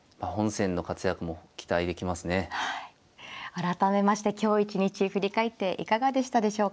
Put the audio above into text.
改めまして今日一日振り返っていかがでしたでしょうか。